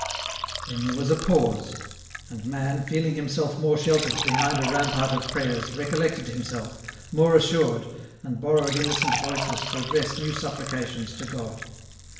Then there was a pause — ^and man, feeling himself more sheltered, behind a rampart of prayers, recollected himself, more assured, and borrowed innocent voices to address new supplications to God.